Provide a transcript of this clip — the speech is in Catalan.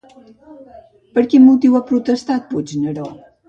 Per quin motiu ha protestat, Puigneró?